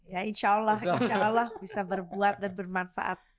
ya insya allah bisa berbuat dan bermanfaat